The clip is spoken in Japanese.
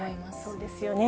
そうですよね。